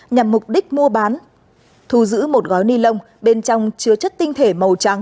nhằm mục đích mua bán thu giữ một gói ni lông bên trong chứa chất tinh thể màu trắng